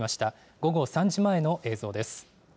午後３時前の映像です。